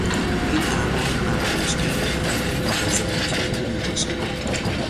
این اعمال نمایشگر عدم نارضایتی او میباشد.